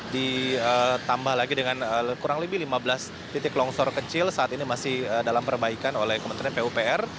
ditambah lagi dengan kurang lebih lima belas titik longsor kecil saat ini masih dalam perbaikan oleh kementerian pupr